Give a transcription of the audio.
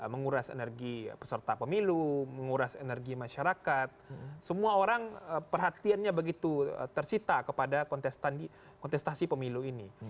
menguras energi peserta pemilu menguras energi masyarakat semua orang perhatiannya begitu tersita kepada kontestasi pemilu ini